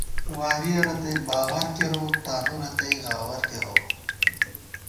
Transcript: وارِیَہ رتئ باوَر کېروؤ ، تانُو رتئ غاوَر کېروؤ